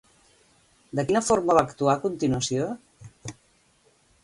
De quina forma va actuar a continuació?